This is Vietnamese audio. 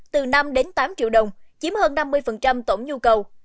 từ năm đến tám triệu đồng chiếm hơn năm mươi tổng nhu cầu